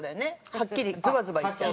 はっきりズバズバ言っちゃう。